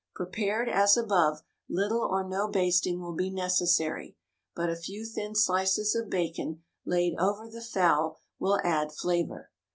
Prepared as above, little or no basting will be necessary, but a few thin slices of bacon laid over the fowl will add flavor.